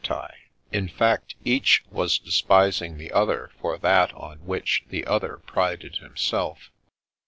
240 The Princess Passes In fact, each was despising the other for that on which the other prided himself.